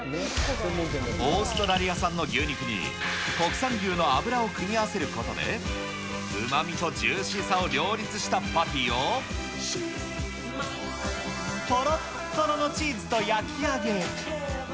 オーストラリア産の牛肉に、国産牛の脂を組み合わせることで、うまみとジューシーさを両立したパティを、とろっとろのチーズと焼き上げ。